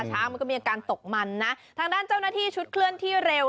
ช้างมันก็มีอาการตกมันนะทางด้านเจ้าหน้าที่ชุดเคลื่อนที่เร็ว